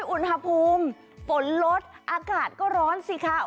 อุณหภูมิฝนลดอากาศก็ร้อนสิคะ